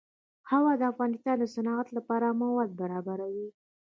هوا د افغانستان د صنعت لپاره مواد برابروي.